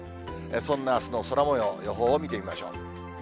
そんなあすの空もよう、予報を見てみましょう。